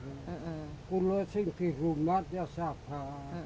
aku di sini di rumahnya sabar